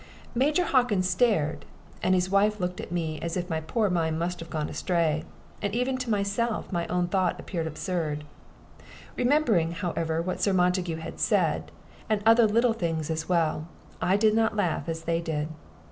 Major Hockin stared, and his wife looked at me as if my poor mind must have gone astray, and even to myself my own thought appeared absurd. Remembering, however, what Sir Montague had said, and other little things as well, I did not laugh as they did.